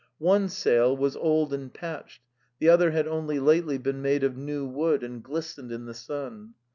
One sail was old and patched, the other had only lately been made of new wood and glistened in the sun.